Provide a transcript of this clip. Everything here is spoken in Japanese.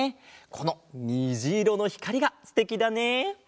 このにじいろのひかりがすてきだね！